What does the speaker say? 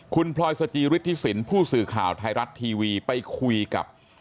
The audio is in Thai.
คุณพลอยสจิฤทธิสินผู้สื่อข่าวไทยรัฐทีวีไปคุยกับ